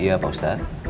iya pak ustadz